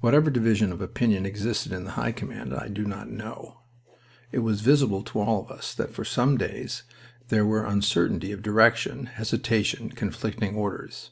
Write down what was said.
Whatever division of opinion existed in the High Command I do not know; it was visible to all of us that for some days there were uncertainty of direction, hesitation, conflicting orders.